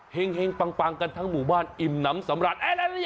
เห็งปังกันทั้งหมู่บ้านอิ่มน้ำสำราญ